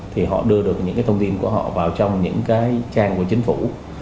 thì họ đưa được những cái thông tin của họ vào trong những cái trang của chính phủ